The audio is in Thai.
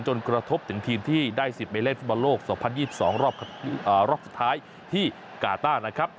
กระทบถึงทีมที่ได้สิทธิ์ไปเล่นฟุตบอลโลก๒๐๒๒รอบสุดท้ายที่กาต้านะครับ